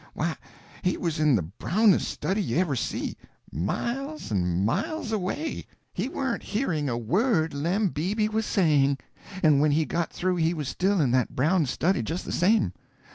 Why, he was in the brownest study you ever see—miles and miles away. He warn't hearing a word Lem Beebe was saying; and when he got through he was still in that brown study, just the same.